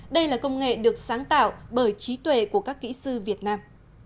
đây là công nghệ được sáng tạo bởi trí tuệ của các kỹ sư việt nam